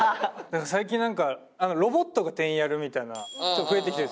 最近ロボットが店員やるみたいなちょっと増えてきてる。